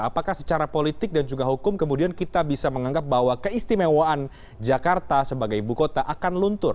apakah secara politik dan juga hukum kemudian kita bisa menganggap bahwa keistimewaan jakarta sebagai ibu kota akan luntur